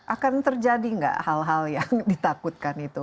akan terjadi nggak hal hal yang ditakutkan itu